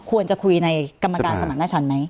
ควรจะคุยในกรรมการสมรรถนาชันไหม